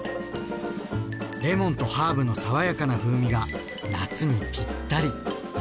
レモンとハーブの爽やかな風味が夏にぴったり。